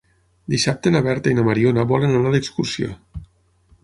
Dissabte na Berta i na Mariona volen anar d'excursió.